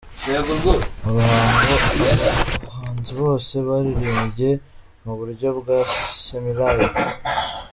Mu Ruhango aba bahanzi bose baririmbye mu buryo bwa Semi-Live.